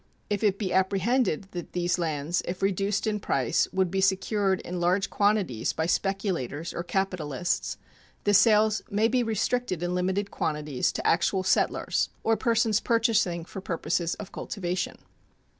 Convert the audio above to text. If it be apprehended that these lands if reduced in price would be secured in large quantities by speculators or capitalists, the sales may be restricted in limited quantities to actual settlers or persons purchasing for purposes of cultivation.